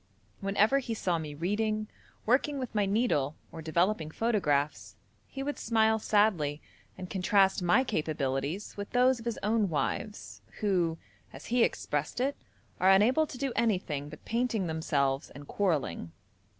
Whenever he saw me reading, working with my needle, or developing photographs, he would smile sadly, and contrast my capabilities with those of his own wives, who, as he expressed it, 'are unable to do anything but painting themselves and quarrelling.'